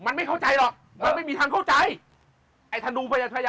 มันไม่เข้าใจหรอกมันไม่มีทางเข้าใจไอ้ธนูพยายาม